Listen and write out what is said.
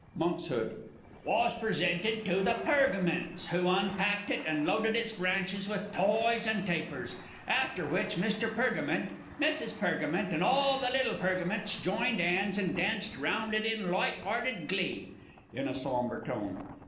Monks. was presented to the Pergaments, who unpacked it, and loaded its branches with toys and tapers; after which Mr. Pergament, Mrs. P., and all the little Pergaments joined 'ands, and danced round it in light'arted glee. (_In a sombre tone.